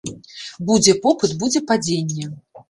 Будзе попыт, будзе падзенне.